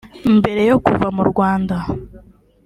Mbere yo kuva mu Rwanda